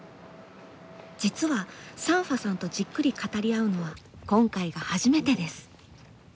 実はサンファさんとじっくり語り合うのは今回が初めてです。